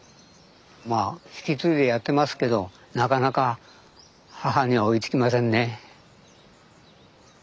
まあ引き継いでやってますけどなかなか母には追いつきませんね。